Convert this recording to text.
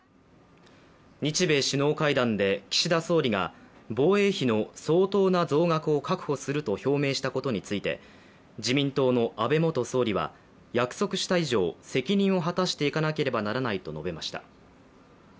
日米首脳会談で岸田総理が防衛費の相当な増額を確保すると表明したことについて、自民党の安倍元総理は約束した以上責任を果たしていかなければならないと述べました。